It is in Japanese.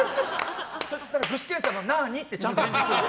具志堅さんが、なあに？ってちゃんと返事する。